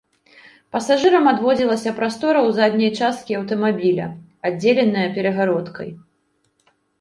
Пасажырам адводзілася прастора ў задняй часткі аўтамабіля, аддзеленае перагародкай.